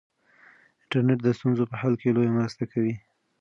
انټرنیټ د ستونزو په حل کې لویه مرسته کوي.